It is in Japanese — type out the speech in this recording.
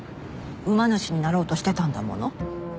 馬主になろうとしてたんだもの。